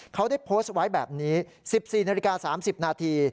เขาได้โพสต์ไว้แบบนี้๑๔นาฬิกา๓๐นาที